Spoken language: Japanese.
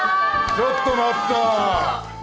ちょっと待った！